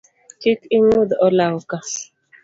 Kik ing’udh olawo ka